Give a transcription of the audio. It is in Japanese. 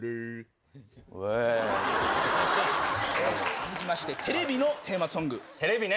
続きまして、テレビのテーマテレビね。